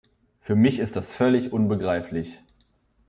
Für mich ist das völlig unbegreiflich.